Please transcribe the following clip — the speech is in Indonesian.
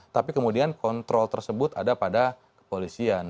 tapi kemudian kontrol tersebut ada pada kepolisian